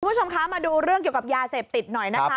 คุณผู้ชมคะมาดูเรื่องเกี่ยวกับยาเสพติดหน่อยนะคะ